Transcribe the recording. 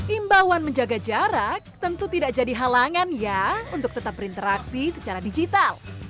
imbauan menjaga jarak tentu tidak jadi halangan ya untuk tetap berinteraksi secara digital